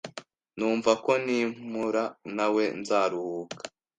numva ko nimpura nawe nzaruhuka